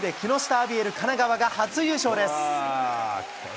あびえる神奈川が初優勝です。